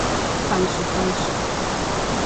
¡Falso, falso!